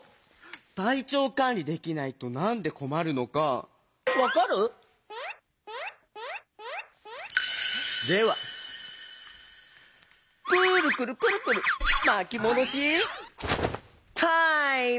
たいちょうかんりできないとなんでこまるのかわかる？ではくるくるくるくるまきもどしタイム！